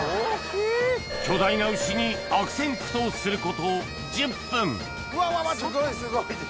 巨大な牛に悪戦苦闘すること１０分うわうわ！